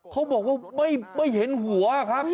เขาบอกว่าไม่เห็นหัวครับ